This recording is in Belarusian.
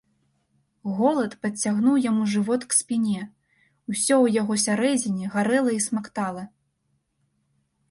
Голад падцягнуў яму жывот к спіне, усё ў яго сярэдзіне гарэла і смактала.